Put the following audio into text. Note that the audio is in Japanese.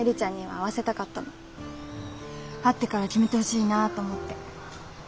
会ってから決めてほしいなあと思って。